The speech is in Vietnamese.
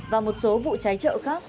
và một số vụ cháy chợ khác